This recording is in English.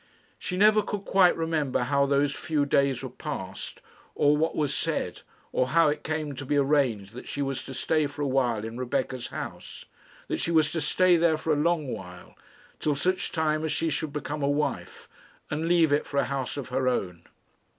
She never could quite remember how those few days were passed, or what was said, or how it came to be arranged that she was to stay for a while in Rebecca's house; that she was to stay there for a long while till such time as she should become a wife, and leave it for a house of her own.